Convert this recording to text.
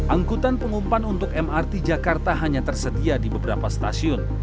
angkutan pengumpan untuk mrt jakarta hanya tersedia di beberapa stasiun